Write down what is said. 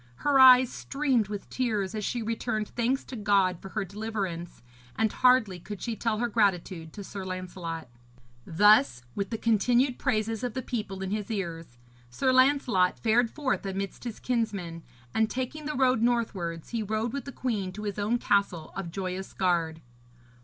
Her eyes streamed with tears as she returned thanks to God for her deliverance, and hardly could she tell her gratitude to Sir Lancelot. Thus, with the continued praises of the people in his ears, Sir Lancelot fared forth amidst his kinsmen, and taking the road northwards he rode with the queen to his own castle of Joyous Gard.